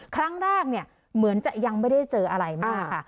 ครั้งแรกเนี่ยเหมือนจะยังไม่ได้เจออะไรมากค่ะ